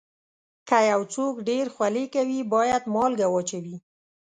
که یو څوک ډېر خولې کوي، باید مالګه واچوي.